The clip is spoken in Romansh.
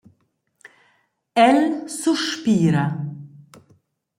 El suspira.